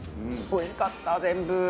おいしかった全部。